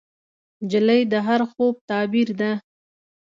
نجلۍ د هر خوب تعبیر ده.